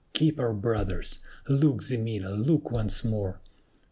keep our brothers! Look, Ximena, look once more.